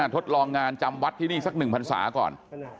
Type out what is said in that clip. ทดลองงานจำวัดที่นี่สักหนึ่งพรรษาก่อน